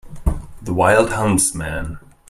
The wild huntsman.